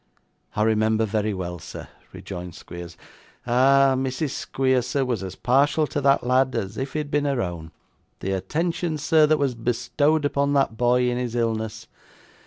'I remember very well, sir,' rejoined Squeers. 'Ah! Mrs. Squeers, sir, was as partial to that lad as if he had been her own; the attention, sir, that was bestowed upon that boy in his illness!